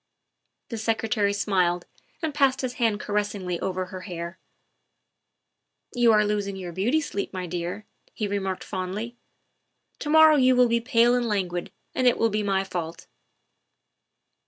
The Secretary smiled and passed his hand caressingly over her dark hair. " You are losing your beauty sleep, my dear," he remarked fondly; " to morrow you will be pale and languid, and it will be my fault."